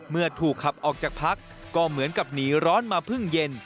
เมื่อถูกขับออกจากพักก็เหมือนกับหนีร้อนมาเพิ่งเย็น